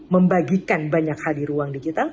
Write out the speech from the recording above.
membagikan banyak hal di ruang digital